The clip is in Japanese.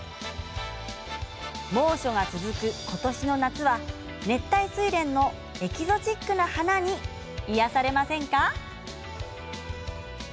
猛暑が続く今年の夏は熱帯スイレンのエキゾチックな花に癒やされませんか？